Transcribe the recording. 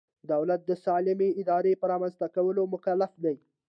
دولت د سالمې ادارې په رامنځته کولو مکلف دی.